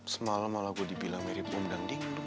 semalam malah saya dibilang mirip orang dinding loh